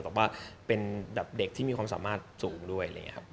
แต่ว่าเป็นแบบเด็กที่มีความสามารถสูงด้วย